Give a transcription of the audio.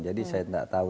jadi saya nggak tahu